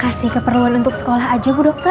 kasih keperluan untuk sekolah aja bu dokter